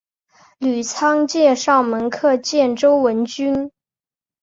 吕仓介绍门客见周文君。